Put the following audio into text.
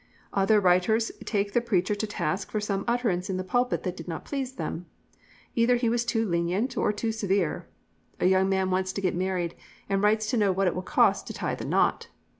Other writers take the preacher to task for some utterance in the pulpit that did not please them. Either he was too lenient or too severe. A young man wants to get married and writes to know what it will cost to tie the knot.